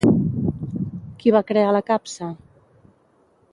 Qui va crear la capsa?